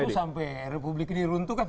itu sampai republik ini runtuh kan